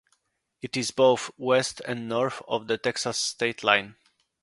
It is both west and north of the Texas state line.